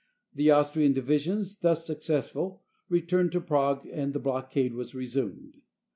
The Austrian divi sion, thus successful, returned to Prague, and the block ade was resumed.